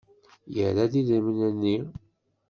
Yerra-d idrimen-nni.